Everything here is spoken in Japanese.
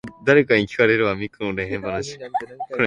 千葉県白井市